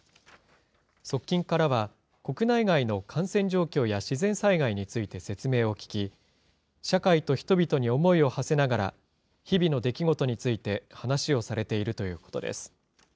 側近からは、国内外の感染状況や、自然災害について説明を聞き、社会と人々に思いをはせながら、日々の出来事について話をされているということです。